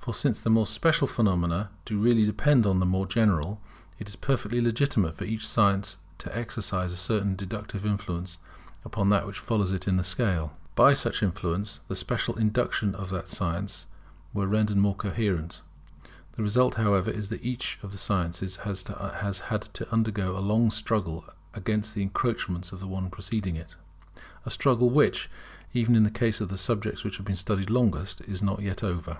For since the more special phenomena do really depend upon the more general, it is perfectly legitimate for each science to exercise a certain deductive influence upon that which follows it in the scale. By such influence the special inductions of that science were rendered more coherent. The result, however, is that each of the sciences has to undergo a long struggle against the encroachments of the one preceding it; a struggle which, even in the case of the subjects which have been studied longest, is not yet over.